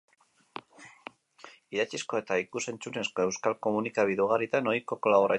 Idatzizko eta ikus-entzunezko euskal komunikabide ugaritan ohiko kolaboratzailea da.